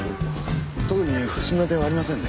特に不審な点はありませんね。